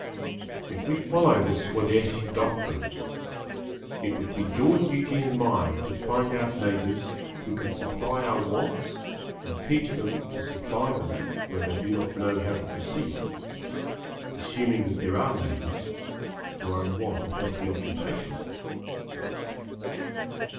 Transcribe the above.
If we follow the Swadeshi doctrine, it would be your duty and mine to find out neighbours who can supply our wants and to teach them to supply them where they do not know how to proceed, assuming that there are neighbours who are in want of healthy occupation.